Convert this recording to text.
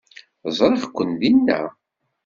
Ẓriɣ-ken dinna.